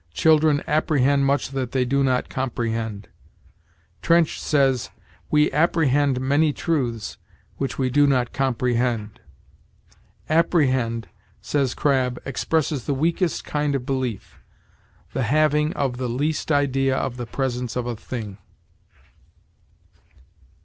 Children apprehend much that they do not comprehend. Trench says: "We apprehend many truths which we do not comprehend." "Apprehend," says Crabb, "expresses the weakest kind of belief, the having [of] the least idea of the presence of a thing."